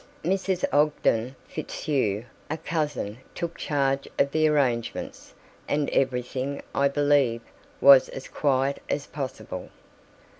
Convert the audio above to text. Mrs. Ogden Fitzhugh, a cousin, took charge of the arrangements, and everything, I believe, was as quiet as possible.